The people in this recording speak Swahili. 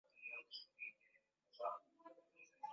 Nyanya yangu analima shamba